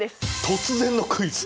突然のクイズ！